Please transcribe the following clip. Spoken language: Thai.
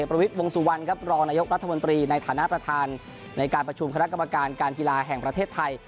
ประวิทย์วงสุวรรณครับรองนายกรัฐมนตรีในฐานะประธานในการประชุมคณะกรรมการการกีฬาแห่งประเทศไทย